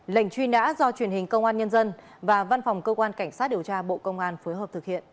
lệnh truy nã do truyền hình công an nhân dân và văn phòng cơ quan cảnh sát điều tra bộ công an phối hợp thực hiện